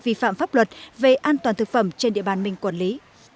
vi phạm pháp luật về an toàn thực phẩm trên địa bàn mình quản lý